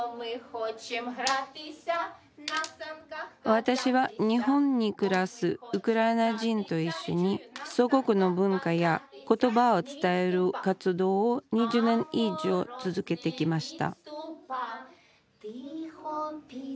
私は日本に暮らすウクライナ人と一緒に祖国の文化や言葉を伝える活動を２０年以上続けてきました